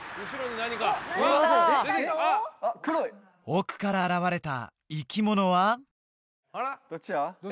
奥から現れた生き物はどっちだ？